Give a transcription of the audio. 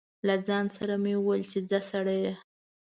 له ځان سره مې و ویل چې ځه سړیه.